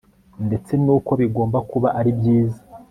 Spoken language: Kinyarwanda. ndetse nuko bigomba kuba ari byiza